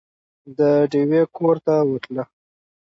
د ډېوې کور ته ورتله